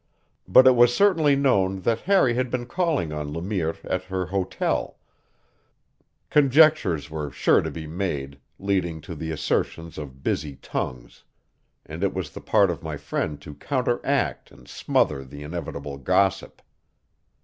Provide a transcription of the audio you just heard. But it was certainly known that Harry had been calling on Le Mire at her hotel; conjectures were sure to be made, leading to the assertions of busy tongues; and it was the part of my friend to counteract and smother the inevitable gossip.